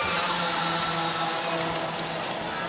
ทาว